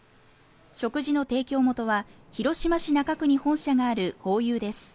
食事の提供元は広島市中区に本社があるホーユーです